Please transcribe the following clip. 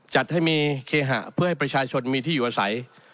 จัดให้มีเคหะเพื่อให้ประชาชนมีที่อยู่อาศัย